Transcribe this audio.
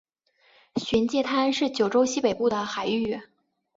玄界滩是九州西北部的海域。